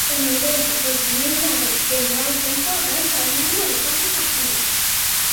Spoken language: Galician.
En Ourense, por primeira vez dende hai tempo, baixa o número de casos activos.